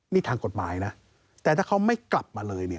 นี่ทางกฎหมายนะแต่ถ้าเขาไม่กลับมาเลยเนี่ย